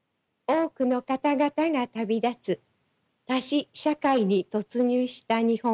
多くの方々が旅立つ多死社会に突入した日本。